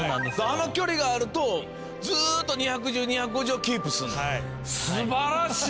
あの距離があるとずーっと２１０２５０をキープする。